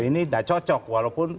ini tidak cocok walaupun